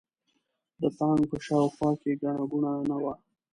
د تانک په شا او خوا کې ګڼه ګوڼه نه وه.